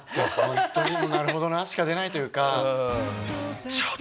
ホントに「なるほどな」しか出ないというか。